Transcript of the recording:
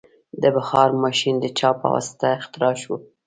د بخار ماشین د چا په واسطه اختراع شو؟